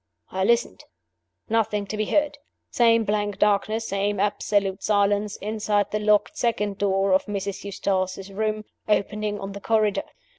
I listened. Nothing to be heard. Same blank darkness, same absolute silence, inside the locked second door of Mrs. Eustace's room, opening on the corridor.